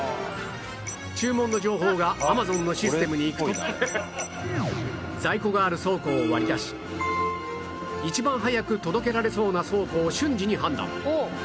注文の情報が Ａｍａｚｏｎ のシステムにいくと在庫がある倉庫を割り出し一番早く届けられそうな倉庫を瞬時に判断